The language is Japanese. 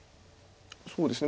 そうですね。